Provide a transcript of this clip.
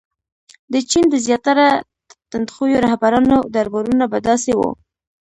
• د چین د زیاتره تندخویو رهبرانو دربارونه به داسې وو.